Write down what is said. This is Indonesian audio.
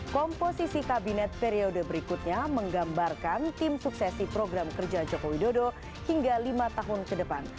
komposisi kabinet periode berikutnya menggambarkan tim suksesi program kerja joko widodo hingga lima tahun ke depan